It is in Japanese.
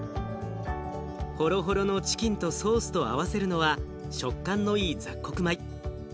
ホロホロのチキンとソースと合わせるのは食感のいい雑穀米。